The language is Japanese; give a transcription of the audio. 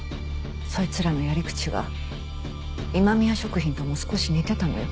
そいつらのやり口が今宮食品とも少し似てたのよ。